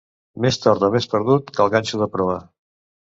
Més tort o perdut que el ganxo de proa.